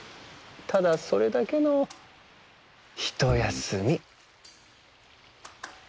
ただそれだけのひとやすみ。